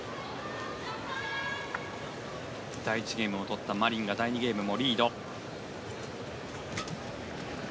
第１ゲームを取ったマリンが第２ゲームもリード。